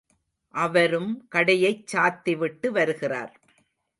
அவரும் கடையைச் சாத்திவிட்டு வருகிறார்.